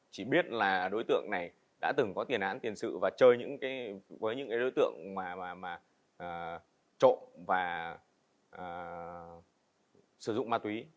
chỉ biết là đối tượng này đã từng có tiền án tiền sự và chơi với những đối tượng trộm và sử dụng ma túy